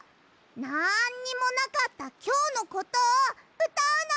なんにもなかったきょうのことをうたうの！